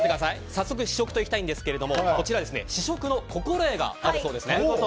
早速試食といきたいんですがこちら、試食の心得があるそうですね。